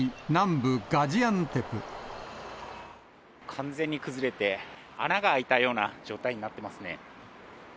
完全に崩れて、穴が開いたような状態になっていますね。